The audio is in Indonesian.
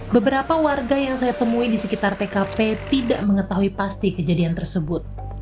beberapa warga yang saya temui di sekitar tkp tidak mengetahui pasti kejadian tersebut